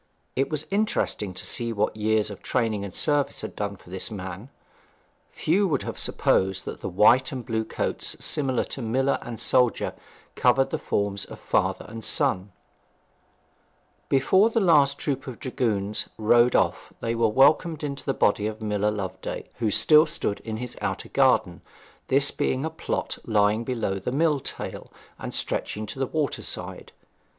It was interesting to see what years of training and service had done for this man. Few would have supposed that the white and the blue coats of miller and soldier covered the forms of father and son. Before the last troop of dragoons rode off they were welcomed in a body by Miller Loveday, who still stood in his outer garden, this being a plot lying below the mill tail, and stretching to the water side.